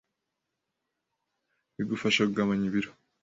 bigufasha kugabanya ibiro